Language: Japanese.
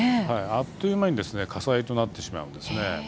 あっという間に火災となってしまいます。